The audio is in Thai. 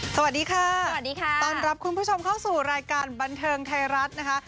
สวัสดีค่ะสวัสดีค่ะต้อนรับคุณผู้ชมเข้าสู่รายการบันเทิงไทยรัฐนะคะ